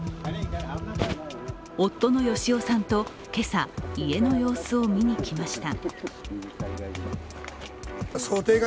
夫の嘉男さんと、今朝、家の様子を見にきました。